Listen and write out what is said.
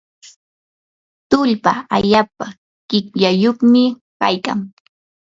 tullpa allapa qityayuqmi kaykan.